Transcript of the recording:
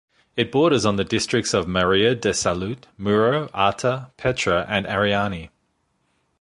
It borders on the districts of Maria de la Salut, Muro, Artà, Petra and Ariany.